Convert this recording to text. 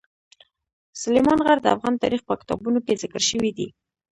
سلیمان غر د افغان تاریخ په کتابونو کې ذکر شوی دي.